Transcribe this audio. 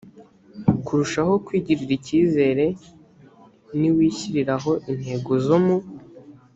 kurushaho kwigirira icyizere niwishyiriraho intego zo mu